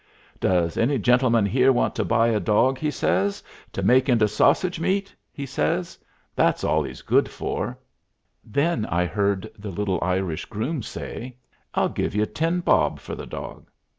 "Does any gentleman here want to buy a dog," he says, "to make into sausage meat?" he says. "That's all he's good for." Then I heard the little Irish groom say, "I'll give you ten bob for the dog."